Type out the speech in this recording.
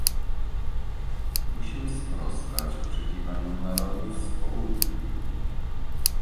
Musimy sprostać oczekiwaniom narodów z Południa